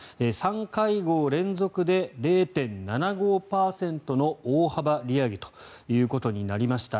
３会合連続で０．７５％の大幅利上げということになりました。